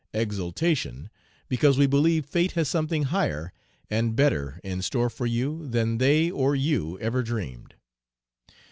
Exultation! because we believe fate has something higher and better in store for you than they or you ever dreamed.